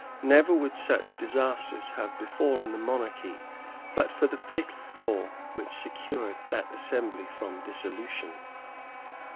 Never would such disasters have befallen the monarchy but for the fatal law which secured that assembly from dissolution.